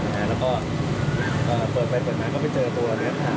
แล้วก็เปิดไปเปิดมาก็ไม่เจอตัวหรือเปล่า